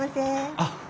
あっ。